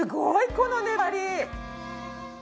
この粘り！